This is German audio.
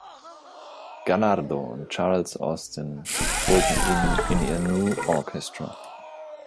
Gallardo und Charles Austin holten ihn in ihr "New Orchestra".